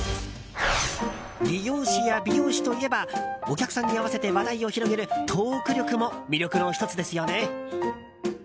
理容師や美容師といえばお客さんに合わせて話題を広げるトーク力も魅力の１つですよね。